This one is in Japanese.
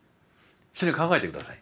一緒に考えて下さい。